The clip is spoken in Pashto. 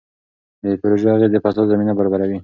د پروژو اغېز د فساد زمینه برابروي.